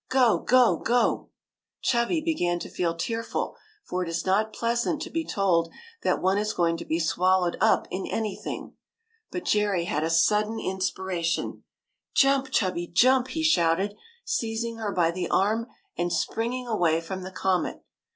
" Go, go, go !" Chubby began to feel tearful, for it is not pleasant to be told that one is going to be swallowed up in anything. But Jerry had a sudden inspiration. '' Jump, Chubby, jump !'* he shouted, seizing her by the arm and springing away from the comet.